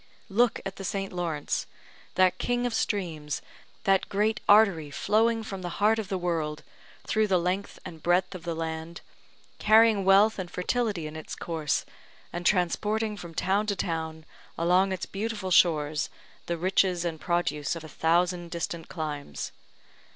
Look at the St. Lawrence, that king of streams, that great artery flowing from the heart of the world, through the length and breadth of the land, carrying wealth and fertility in its course, and transporting from town to town along its beautiful shores the riches and produce of a thousand distant climes.